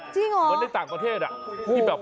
จริงเหรอในต่างประเทศนี่แบบ